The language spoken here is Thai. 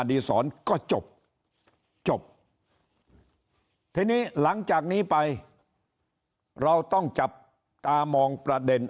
ดีสอนก็จบจบทีนี้หลังจากนี้ไปเราต้องจับตามองประเด็น